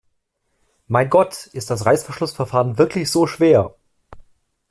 Mein Gott, ist das Reißverschlussverfahren wirklich so schwer?